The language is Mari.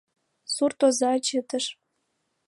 Сурт оза чытыш.